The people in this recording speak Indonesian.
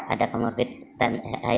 ada komorbidnya ya pak ya